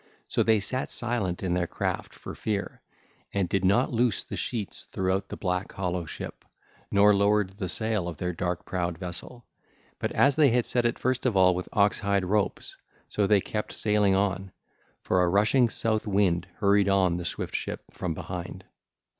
So they sat silent in their craft for fear, and did not loose the sheets throughout the black, hollow ship, nor lowered the sail of their dark prowed vessel, but as they had set it first of all with oxhide ropes, so they kept sailing on; for a rushing south wind hurried on the swift ship from behind.